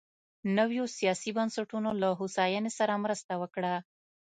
نویو سیاسي بنسټونو له هوساینې سره مرسته وکړه.